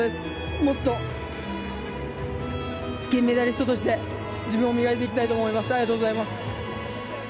もっと金メダリストとして自分を磨いていきたいと思います、ありがとうございます。